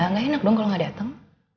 nggak enak dong kalau nggak datang